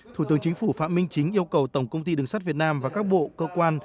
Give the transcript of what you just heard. thủ tướng chính phủ phạm minh chính yêu cầu tổng công ty đường sắt việt nam và các bộ cơ quan